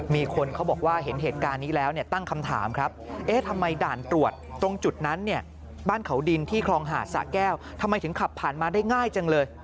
มีคนเขาบอกว่าเห็นเหตุการณ์นี้แล้วตั้งคำถามครับเอ๊ะทำไมด่านตรวจตรงจุดนั้นเนี่ยบ้านเขาดินที่คลองหาดสะแก้วทำไมถึงขับผ่านมาได้ง่ายจังเลย